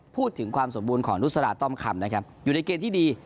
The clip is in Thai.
พูดถึงความสมบูรณ์ของนุษราต้อมคำนะครับอยู่ในเกณฑ์ที่ดี